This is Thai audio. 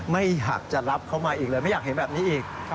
ไม่อยากจะรับเขามาอีกเลยไม่อยากเห็นแบบนี้อีก